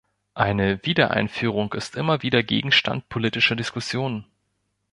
Eine Wiedereinführung ist immer wieder Gegenstand politischer Diskussionen.